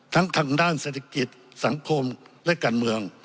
ทางด้านเศรษฐกิจสังคมและการเมือง